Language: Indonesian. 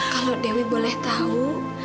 kalau dewi boleh tahu